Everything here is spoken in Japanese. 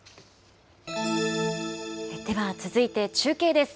では、続いて中継です。